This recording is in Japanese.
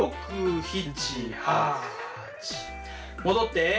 戻って。